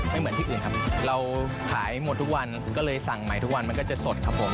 เหมือนที่อื่นครับเราขายหมดทุกวันผมก็เลยสั่งใหม่ทุกวันมันก็จะสดครับผม